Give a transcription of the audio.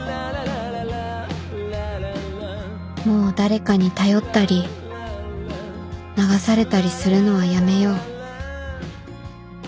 もう誰かに頼ったり流されたりするのはやめよう